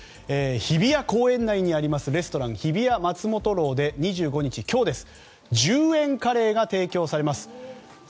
日比谷公園内にある日比谷松本楼で、２５日１０円カレーが提供されます。